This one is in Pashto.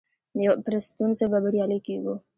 پر ستونزو به بريالي کيږو.